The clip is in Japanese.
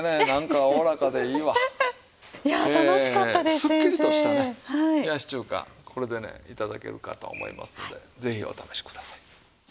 すっきりとしたね冷やし中華これでね頂けるかと思いますのでぜひお試しください。